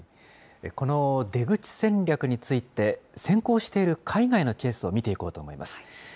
この出口戦略について、先行している海外のケースを見ていこうと思います。